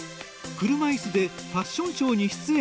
車いすでファッションショーに出演。